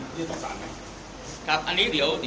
ผมเมื่อวานท่านก็ต้องขอกระบวนการที่นายมา